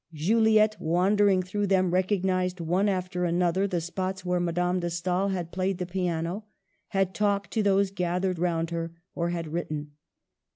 Juliette, wan dering through them, recognised one after another the spots where Madame de Stael had played the piano, had talked to those gathered round her, or had written.